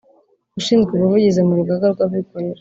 ushinzwe ubuvugizi mu Rugaga rw’Abikorera